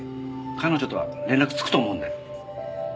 彼女とは連絡つくと思うんで。